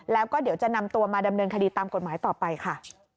แล้วก็เดี๋ยวจะนำตัวมาดำเนินคดีตามกฎหมายต่อไปค่ะ